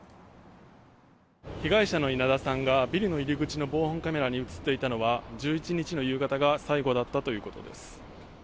被害者の稲田さんがビルの入り口の防犯カメラに映っていたのは１１日の夕方が最後だったということです。